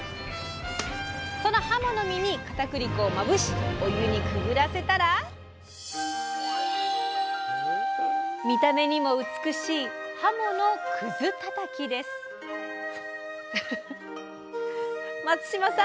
そのはもの身にかたくり粉をまぶしお湯にくぐらせたら見た目にも美しい松嶋さん